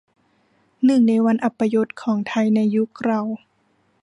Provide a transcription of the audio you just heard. หนึ่งในวันอัปยศของไทยในยุคเรา